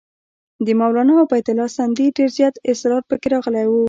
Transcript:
د مولنا عبیدالله سندي ډېر زیات اسرار پکې راغلي وو.